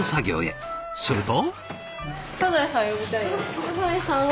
すると。